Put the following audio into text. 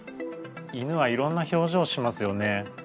犬はいろんな表情しますよね？